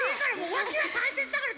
わきはたいせつだから！